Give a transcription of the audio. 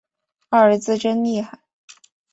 二儿子真厉害